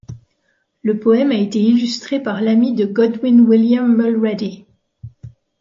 Le poème a été illustré par l'ami de Godwin William Mulready.